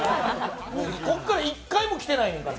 ここから一回も着てないんだから。